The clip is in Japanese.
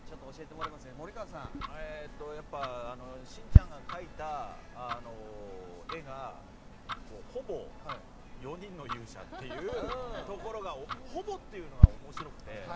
やっぱりしんちゃんが描いた絵がほぼ四人の勇者っていうほぼというのが面白くて。